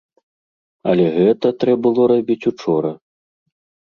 Але гэта трэ было рабіць учора.